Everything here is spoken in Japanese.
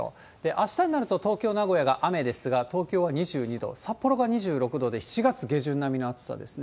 あしたになると、東京、名古屋が雨ですが、東京は２２度、札幌が２６度で７月下旬並みの暑さですね。